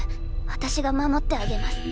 私が守ってあげます！